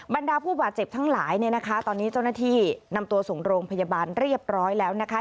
บรรดาผู้บาดเจ็บทั้งหลายเนี่ยนะคะตอนนี้เจ้าหน้าที่นำตัวส่งโรงพยาบาลเรียบร้อยแล้วนะคะ